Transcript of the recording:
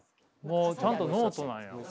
もうちゃんとノートなんや。